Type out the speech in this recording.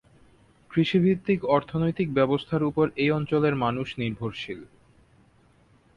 কৃষিভিত্তিক অর্থনৈতিক ব্যবস্থার উপর এই অঞ্চলের মানুষ নির্ভরশীল।